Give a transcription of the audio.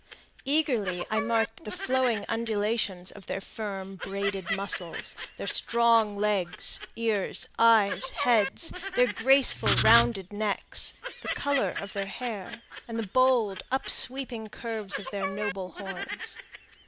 Eagerly I marked the flowing undulations of their firm, braided muscles, their strong legs, ears, eyes, heads, their graceful rounded necks, the color of their hair, and the bold, upsweeping curves of their noble horns.